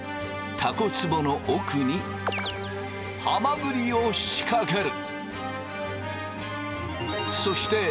たこつぼの奥にハマグリを仕掛ける。